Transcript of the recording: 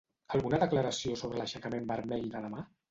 Alguna declaració sobre l'aixecament vermell de demà?